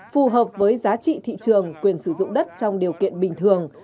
phù hợp với giá trị thị trường quyền sử dụng đất trong điều kiện bình thường